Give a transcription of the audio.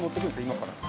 今から。